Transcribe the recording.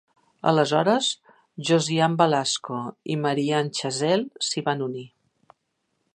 Aleshores, Josiane Balasko i Marie-Anne Chazel s'hi van unir.